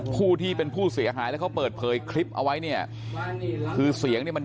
ผู้ที่เป็นผู้เสียหายแล้วเขาเปิดเผยคลิปเอาไว้เนี่ยคือเสียงเนี่ยมัน